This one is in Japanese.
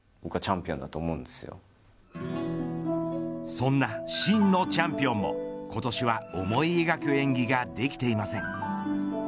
そんな真のチャンピオンも今年は思い描く演技ができていません。